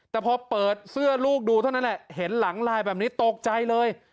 แต่พอเปิดเสื้อลูกดูเท่านั้นแหละเห็นหลังลายแบบนี้ตกใจเลย